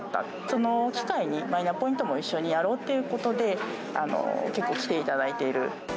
その機会にマイナポイントも一緒にやろうということで、結構、来ていただいている。